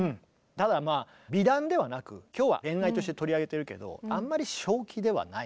ただまあ美談ではなく今日は恋愛として取り上げてるけどあんまり正気ではない。